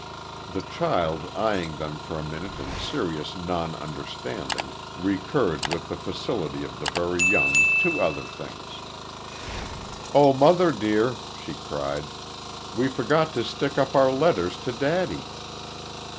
The child, eyeing them for a minute in serious non understanding, recurred with the facility of the very young to other things. "Oh, mother dear!" she cried. "We forgot to stick up our letters to daddy."